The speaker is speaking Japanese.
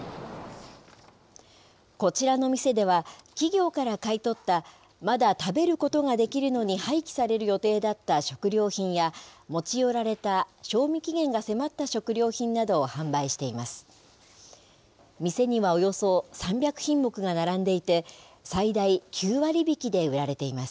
こちらの店では、企業から買い取ったまだ食べることができるのに廃棄される予定だった食料品や、持ち寄られた賞味期限が迫った食料品などを販売しています。